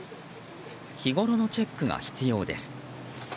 日ごろのチェックが必要です。